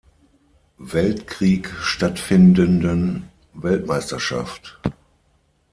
Weltkrieg stattfindenden Weltmeisterschaft.